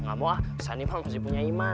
enggak mau ah sani emang masih punya imah